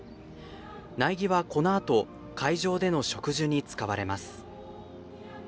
苗木はこのあと会場での植樹に使われます。